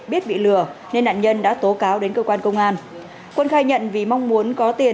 biết bị lừa nên nạn nhân đã tố cáo đến cơ quan công an quân khai nhận vì mong muốn có tiền